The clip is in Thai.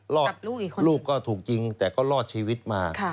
ลูกก็ถูกยิงแต่ก็รอดชีวิตมา